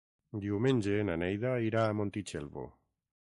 Diumenge na Neida irà a Montitxelvo.